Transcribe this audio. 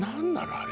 あれ。